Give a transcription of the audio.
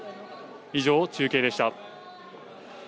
以上、中継でした。